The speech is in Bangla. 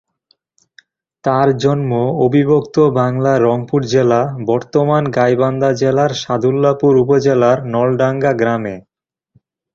তার জন্ম অবিভক্ত বাংলার রংপুর জেলা, বর্তমান গাইবান্ধা জেলার সাদুল্লাপুর উপজেলার নলডাঙ্গা গ্রামে।